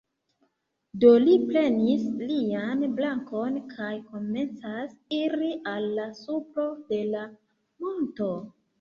Do li prenis lian brakon kaj komencas iri al la supro de la monto.